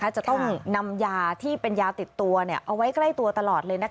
จะต้องนำยาที่เป็นยาติดตัวเอาไว้ใกล้ตัวตลอดเลย